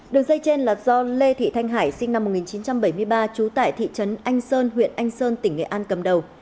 đường dây trên là do lê thị thanh hải sinh năm một nghìn chín trăm bảy mươi ba trú tại thị trấn anh sơn huyện anh sơn tỉnh nghệ an cầm đầu